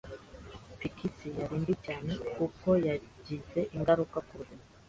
Pikisi yari mbi cyane kuko yagize ingaruka ku buzima